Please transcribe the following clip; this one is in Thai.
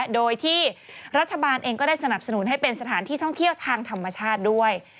โดยที่รัฐบาลเองก็ได้สนับสนุนให้เป็นสถานที่ท่องเที่ยวทางธรรมชาติด้วย